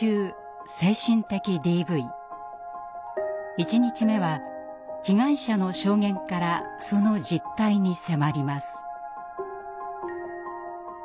１日目は被害者の証言からその実態に迫ります。